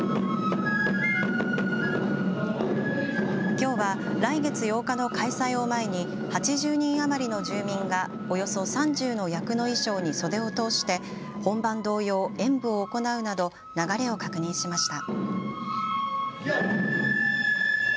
きょうは来月８日の開催を前に８０人余りの住民がおよそ３０の役の衣装に袖を通して本番同様、演舞を行うなど流れを確認しました。